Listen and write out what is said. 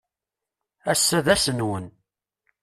Ass-a d ass-nnwen.